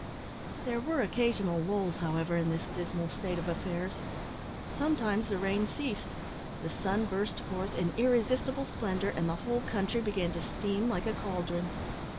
There were occasional lulls, however, in this dismal state of affairs. Sometimes the rain ceased; the sun burst forth in irresistible splendour, and the whole country began to steam like a caldron.